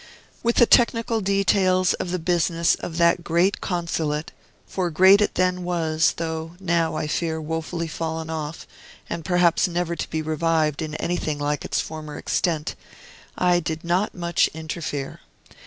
With the technical details of the business of that great Consulate (for great it then was, though now, I fear, wofully fallen off, and perhaps never to be revived in anything like its former extent), I did not much interfere.